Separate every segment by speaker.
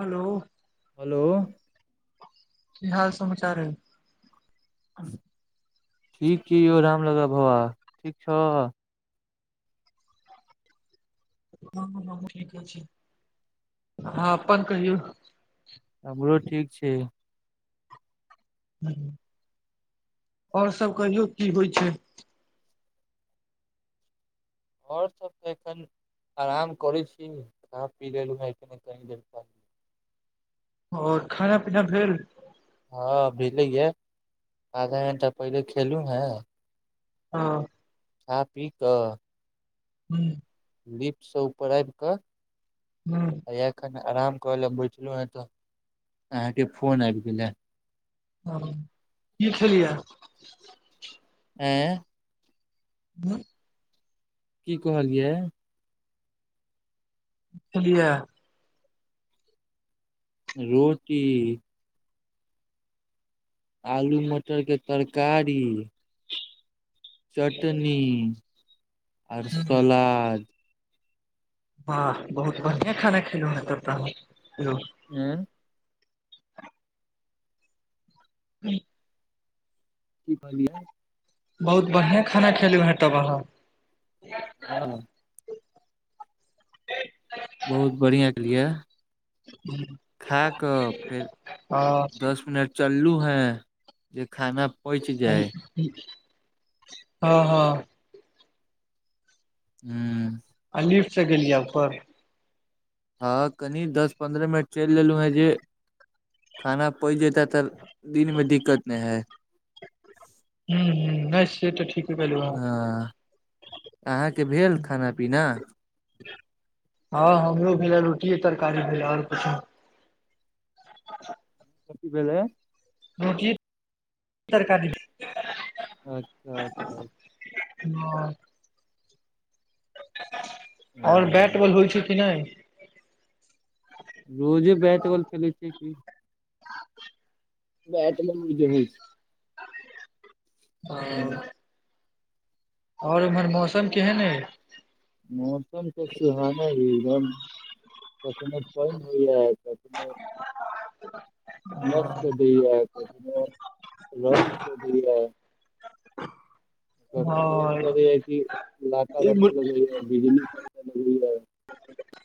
Speaker 1: Hello
Speaker 2: hello
Speaker 1: की हाल समाचार यै
Speaker 2: ठीक छै यौ राम लल्ला बाबा ठीक छौ
Speaker 1: हँ ठीक छै हँ अपन कहियौ
Speaker 2: हमरो ठीक छै
Speaker 1: आओर सब कहियो की होइ छै
Speaker 2: और सब त एखन आराम करे छी कह पी लेलु
Speaker 1: आओर खाना पीना भेल
Speaker 2: हँ भेले ये आधा घंटा पहिले खेलु हे
Speaker 1: हँ
Speaker 2: खा पी कऽ
Speaker 1: हूँ [inaudible]
Speaker 2: लिपट से ऊपर आबि कऽ
Speaker 1: हँ
Speaker 2: आखन आराम करै लए बठलौ हँ तऽ आहाँके फोन आब गेलै है
Speaker 1: की खेलियै
Speaker 2: ऐ
Speaker 1: हँ [inaudible]
Speaker 2: की कहलियै
Speaker 1: बुझलियै [unintelligible]
Speaker 2: रोटी आलू मटर के तरकारी चटनी आर
Speaker 1: हूँ
Speaker 2: सलाद
Speaker 1: वाह बहुत बढ़िया खाना खेलहु हे तब त
Speaker 2: हूँ
Speaker 1: [unintelligible]
Speaker 2: की कहलियै [unintelligible]
Speaker 1: बहुत बढ़िआं खाना खेलु हें तब अहाँ
Speaker 2: हँ [inaudible] बहुत बढ़िया खैलियए खा कऽ फेर दस मिनट चललू हे जे खा के
Speaker 1: हँ हँ
Speaker 2: हू
Speaker 1: अ लिफट से गेलियै ऊपर
Speaker 2: हँ कनि दस पन्द्रह मिनट चलि लेलहु हेँ जे खाना पचि जैते तऽ दिनमे दिक्कत नहि हय
Speaker 1: हूंम्म हूंम्म नहि से तऽ ठीके कहलू अहाँ
Speaker 2: आहाँके भेल खाना पीना
Speaker 1: हँ हमरो भेले रोटीये तरकारी भेले और किछ नहि
Speaker 2: कथि भेलै
Speaker 1: रोटीये [unintelligible] तरकारी
Speaker 2: अच्छा अच्छा अच
Speaker 1: [unintelligible] आओर
Speaker 2: अच्छा।
Speaker 1: बैट बॉल होइ छै कि नहि
Speaker 2: रोजे बैट बॉल खेलै छियै की तर [unintelligible] जे होइ छै हूंम्म
Speaker 1: और इम्हर मौसम केहन अय
Speaker 2: मौसम तऽ सुहाना ही एकदम कखनो पानि होइया कखनो मस्त तऽ [unintelligible] को दैय कखनो एहन
Speaker 1: हँ
Speaker 2: करैया कि लाका लकय
Speaker 1: इम्हर
Speaker 2: लगैया बिजली करके लगैया [unintelligible]
Speaker 1: [inaudible]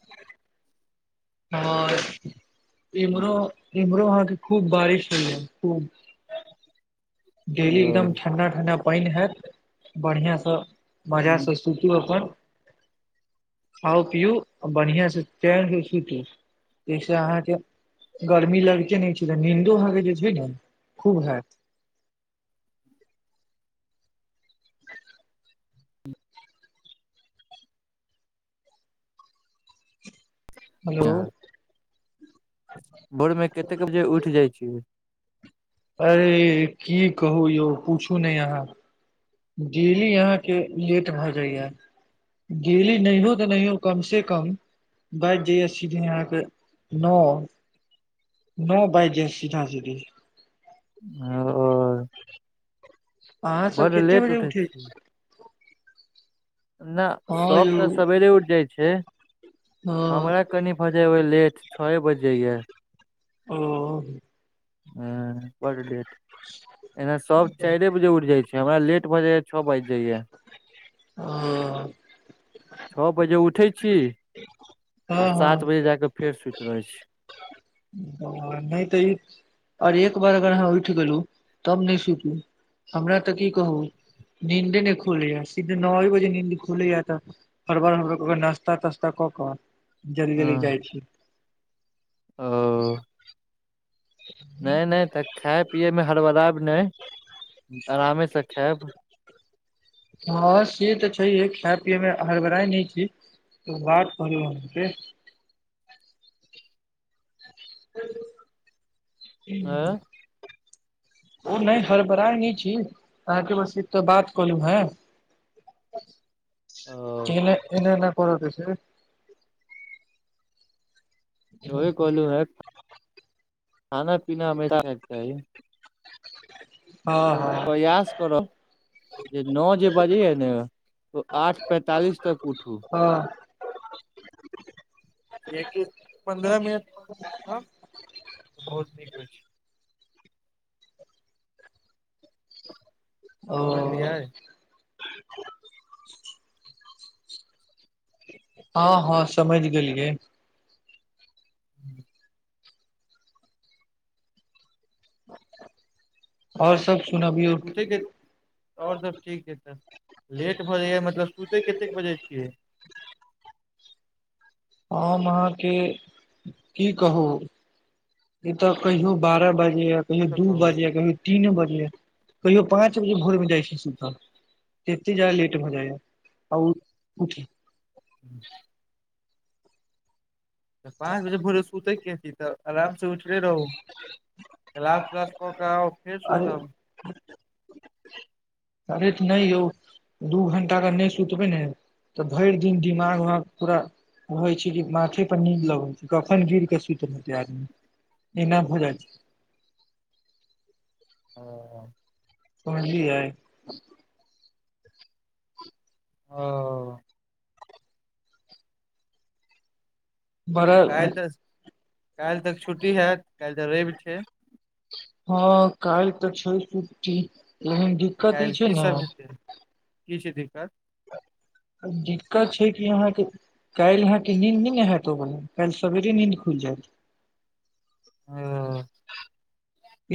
Speaker 1: आ इम्हरो इम्हरो आहाँके खूब बारिश भेले खूब डेली एकदम
Speaker 2: ओ
Speaker 1: ठंडा ठंडा पानि हेत बढ़ियाँ से मजा से सुत [unintelligible] तु अपन खाउ पीउ बढ़ियाँ से चैन से सुतू ऐसे अहाँके गर्मी लगते नहि छै तऽ नीन्दो भके जे छै ने खूब हेत हेलो
Speaker 2: भोर मे केतेक बजे उठि जाइ छियै
Speaker 1: अरे की कहू यौ पूछू नै अहाँ डेली अहाँके लेट भऽ जाइये डेली नहियो तऽ नहियो कम से कम बाजि जाइये सीधे अहाँके नौ नौ बाजि जाए सीधा सीधी
Speaker 2: होलो [unintelligible]
Speaker 1: आहाँ सब
Speaker 2: बड
Speaker 1: केते
Speaker 2: लेट
Speaker 1: बजे
Speaker 2: उठै
Speaker 1: उठे छी
Speaker 2: न
Speaker 1: हँ
Speaker 2: सब तऽ
Speaker 1: यौ
Speaker 2: सवेरे उठि जाइ छै हमरा
Speaker 1: हँ
Speaker 2: कनी भऽ जाइ ये लेट छौये बजि जाइये
Speaker 1: ओ
Speaker 2: हँ पर डेट एना सब चाइरे बजे उठि जाइ छै हमरा लेट भऽ जाइये छ‌ओ बाजि जाइये
Speaker 1: [inaudible]
Speaker 2: छओ बजे उठै छी आ
Speaker 1: हँ
Speaker 2: सात
Speaker 1: हँ
Speaker 2: बजे जाके फेर सुति रहै छी
Speaker 1: ओ नहि तऽ ई आओर एक बार अगर अहाँ उठि गेलु तब नहि सुतू हमरा तऽ की कहू नींदे नहि खुलैये जा सीधे नौए बजे नींद खुलैये तऽ हर बर हर बर क क नास्ता तास्ता कऽ कऽ जल्दी
Speaker 2: हँ
Speaker 1: जल्दी जाइ छी
Speaker 2: ओ
Speaker 1: [inaudible]
Speaker 2: नहि नहि तऽ खायनए पियैमे हड़बराएब नहि आरामेसँ खायब
Speaker 1: हँ से तऽ छै है खाय पियए मे हरबड़ाइ नै छी त बात करू अहाँ से
Speaker 2: हँ
Speaker 1: [inaudible] ओ नहि हरबड़ाइ नै छी अहाँके बस एक टा बात कहलू हें
Speaker 2: और
Speaker 1: एने एने एना कर दै छै
Speaker 2: यही कहलू है खाना पीना हमेशा के चाही
Speaker 1: हँ हँ
Speaker 2: प्रयास करू नो ए जे बजे ह ने त आठ पैंतालिस तक उठू
Speaker 1: हँ
Speaker 2: पन्द्रह मिनट बहुत नीक होइ छै
Speaker 1: [unintelligible] ओ
Speaker 2: समझलियै
Speaker 1: हँ हँ समझ गेलियै
Speaker 2: हूँ
Speaker 1: [unintelligible] आओर
Speaker 2: आब
Speaker 1: सब सुनबियौ
Speaker 2: पूछे के [unintelligible] आओर सब ठीक हइ तऽ लेट भऽ जाइया मतलब सुतै कतेक बजे छियै
Speaker 1: हम अहाँके की कहू ई तऽ कहियो बारह बजे
Speaker 2: ओ
Speaker 1: कहियो
Speaker 2: तऽ
Speaker 1: दू
Speaker 2: कहू
Speaker 1: बजे कहियो तीन बजे कहियो पाँच बजे भोरमे जाई छी सुतअ एतेक जादा लेट भऽ जाईया आउ
Speaker 2: हूँ [inaudible] तऽ पाँच बजे भोरे सुतय के अथि तऽ आराम सँ उठले रहू राख राख कऽ कऽआब फेर
Speaker 1: अरे
Speaker 2: सुतब
Speaker 1: नहि यौ दू घंटा अगर नहि सुतबै ने तऽ भरि दिन दिमाग पूरा होइ छै कि माथे पर नीद लगैत छै कखन गिर के सुतल जैब इनाम हो जाइत छै [unintelligible]
Speaker 2: ह [inaudible]
Speaker 1: समझलीयै
Speaker 2: हाँ
Speaker 1: बड़ा
Speaker 2: काल्हि तऽ काल्हि तक छुट्टी हेयत काल्हि तऽ रवि छैये
Speaker 1: हँ काइल तऽ छै छुट्टी लेकिन
Speaker 2: तऽ
Speaker 1: दिक्कत ई
Speaker 2: काल्हि
Speaker 1: छै
Speaker 2: की
Speaker 1: ने
Speaker 2: सब हेतै की छै दिक्कत
Speaker 1: दिक्कत छै कि अहाँ के काल्हि अहाँ के नीन्द नहि ने हेयत ओ काल्हि सबेरे नींद खुलि जायत
Speaker 2: ओ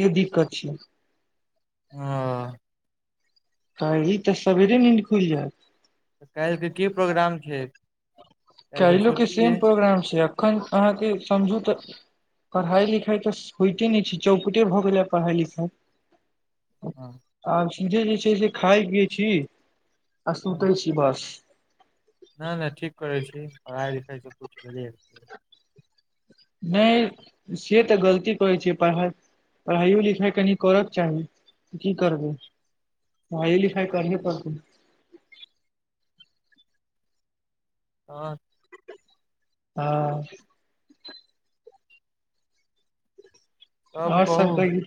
Speaker 1: ये दिक्कत छै
Speaker 2: ह
Speaker 1: कल्हि तऽ सबेरे नींद खुलि जायत
Speaker 2: तऽ काल्हिके की प्रोग्राम छै काल्हि तऽ
Speaker 1: कल क
Speaker 2: छुट्टी
Speaker 1: सेम
Speaker 2: यै
Speaker 1: प्रोग्राम छै एखन अहाँ के समझू तऽ पढ़ाई लिखाई तऽ होइते नहि छै चौपटे भऽ गेले पढ़ाइ लिखाइ
Speaker 2: हा
Speaker 1: आ चूजे जे छै से खाय पियए छी आ सुते छी बस
Speaker 2: ना ना ठीक करै छी पढ़ाई लिखाई सँ किछु भेले
Speaker 1: नहि से तऽ गलती करैत छै पढ़ाइ पढ़ाइयो लिखाइ कनि करके चाही की करबै हाँ एलिखाई करहे पड़ते
Speaker 2: हाँ
Speaker 1: हँ
Speaker 2: तब
Speaker 1: और
Speaker 2: कहू
Speaker 1: सब कहिओ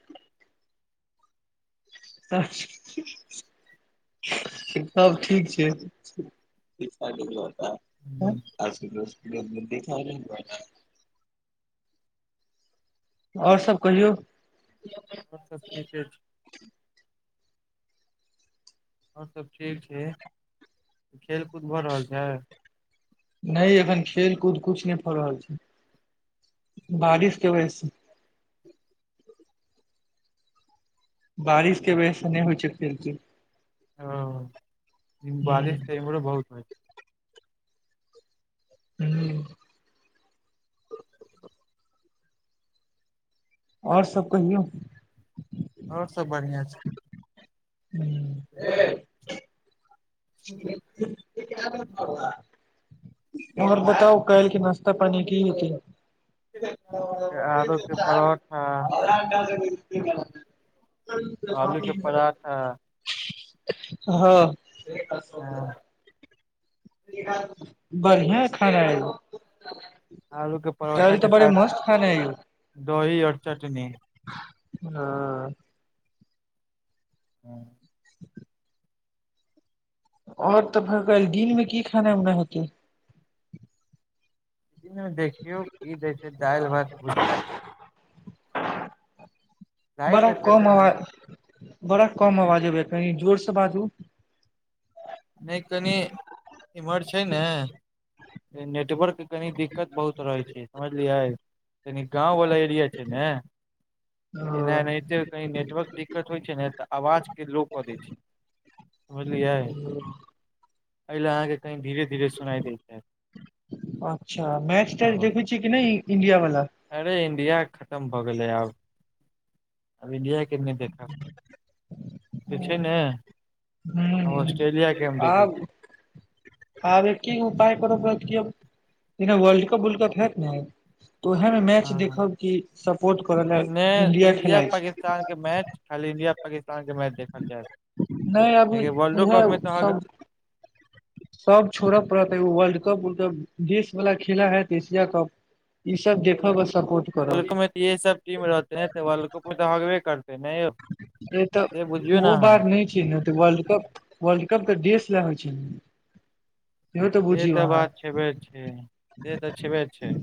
Speaker 1: तऽ सब ठीक छै आज के
Speaker 2: हूँ,
Speaker 1: न्यूज चैनल देख [unintelligible] और सब कहियौ
Speaker 2: और सब ठीके छै आओर सब ठीक छै खेल कूद भऽ रहल छै
Speaker 1: ने एखन खेल कूद कुछ नहि भऽ रहल छै बारिश के बजह से बारिशके वजह से नहि होइ छै [unintelligible]
Speaker 2: ओ लेकिन बारीसँ त इमोरा बहुत होइ
Speaker 1: हू आओर सब कहियौ
Speaker 2: आओर सब बढ़िया छै
Speaker 1: हुँ
Speaker 2: [unintelligible]
Speaker 1: [inaudible] और बताउ काइल के नाश्ता पानी की होतै पटा
Speaker 2: आलू के परोठा
Speaker 1: [unintelligible] आधा घंटा
Speaker 2: आलू के पराठा
Speaker 1: हँ
Speaker 2: हँ
Speaker 1: [unintelligible] बढ़िआँ खाना रहे
Speaker 2: आलू के परोठा के साथ
Speaker 1: खाना है यौ
Speaker 2: दही और चटनी
Speaker 1: हँ
Speaker 2: हँ
Speaker 1: [inaudible] आओर तऽ भ गेल दिन मे की खाना उना होतै
Speaker 2: दिन मे देखियौ की दैय छै दालि भात भुजिया राति
Speaker 1: बड़ा
Speaker 2: मे फेर
Speaker 1: कम अवा
Speaker 2: कही
Speaker 1: बड़ा कम अवाज आबै य कनी जोर सँ बाजू
Speaker 2: नै कनि इम्हर छै ने नेटवर्क कनी दिक्कत बहुत रहै छै समझलियै कनि गाँंव वाला एरिया छै न एना
Speaker 1: हँ
Speaker 2: एहिते की नेटवर्क दिक्कत होइ छै न तऽ आवाज के लो कऽ दै छै बुझलियै एहि लऽ अहाँ के कनी धिरे
Speaker 1: अच्छा मैच तेच देखै छियै कि नहि इंडिया वाला
Speaker 2: अरे इंडिया खतम भऽ गेले आब अब इंडिया के नई देखब जे छै ने
Speaker 1: ह
Speaker 2: ऑस्ट्रेलिया के हम देखैत
Speaker 1: आब
Speaker 2: छी
Speaker 1: आब एकी उपाय कर पड़त कि अब जेना वर्ल्ड कप उल्ड कप हेयत न तऽ उएहमे मैच
Speaker 2: छी
Speaker 1: देखब कि सपोर्ट करय
Speaker 2: इन्ने
Speaker 1: लेलए इण्डिया
Speaker 2: इंडिया
Speaker 1: खेलाइ छै
Speaker 2: पाकिस्तान मैच खाली इंडिया पाकिस्तान के मैच देखल जाई
Speaker 1: नहि अब
Speaker 2: क्याकी वर्ल्ड
Speaker 1: इहे
Speaker 2: कप मे तऽ अहाँ कऽ
Speaker 1: सब सब छोड़ऽ पड़त हऽ वर्ल्ड कप मेंदेश वाला खेला हैत एशिया कप ई सब देख ब सपोर
Speaker 2: वल्को तऽ इह सब चीज मे रहते ने तऽ वल्को में तऽ हगबे करते ने यौ
Speaker 1: नइ हमरा
Speaker 2: से
Speaker 1: तऽ
Speaker 2: बुझियौ ने
Speaker 1: वो
Speaker 2: अहाँ
Speaker 1: बार नहि चीन तऽ वर्ल्ड कप वर्ल्ड कप तऽ देस ले होई छै ने इहो
Speaker 2: से
Speaker 1: बुझियौ
Speaker 2: तऽ
Speaker 1: अहाँ
Speaker 2: बात छेबे छै से तऽ छेबे छै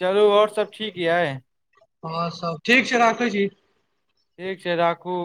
Speaker 2: चलू आओर सब ठीक यै
Speaker 1: हाँ सब ठीक छै राखै छी
Speaker 2: ठीक छै राखू